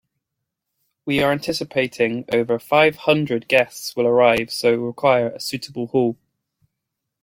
We are anticipating over five hundred guests will arrive so require a suitable hall.